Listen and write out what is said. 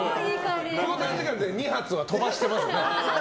この短時間で２発はちょっと飛ばしてますね。